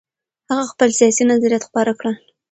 هغه خپل سیاسي نظریات خپاره کړل.